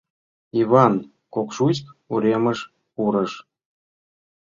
Йыван Кокшуйск уремыш пурыш.